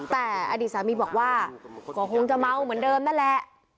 แต่อดีตสามีบอกว่าก็คงจะเมาเหมือนเดิมนั่นแหละ